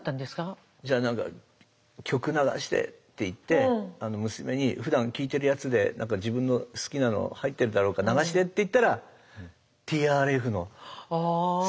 じゃあ何か曲流してって言って娘にふだん聴いてるやつで自分の好きなの入ってるだろうから流してって言ったらＴＲＦの「寒い夜だから」とか流してくれて。